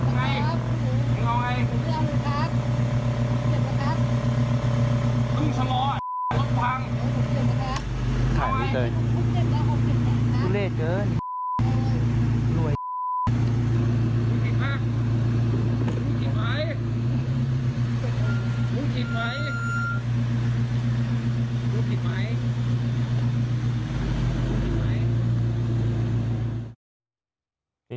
มึงผิดไหม